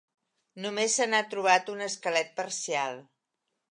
Només se n'ha trobat un esquelet parcial.